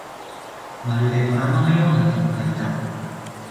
まるでドラマのような展開だ